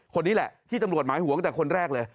คนนี้แหละที่ตำรวจหมายห่วงตั้งแต่คนแรกเลย